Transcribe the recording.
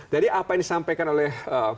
jadi apa yang disampaikan oleh